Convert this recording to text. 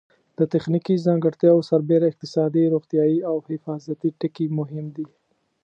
د تخنیکي ځانګړتیاوو سربېره اقتصادي، روغتیایي او حفاظتي ټکي مهم دي.